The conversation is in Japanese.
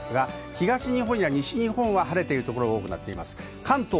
東日本、西日本は晴れているところが多くなっています。